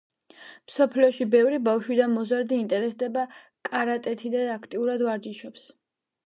მსოფლიოში ბევრი ბავშვი და მოზარდი ინტერესდება კარატეთი და აქტიურად ვარჯიშობს.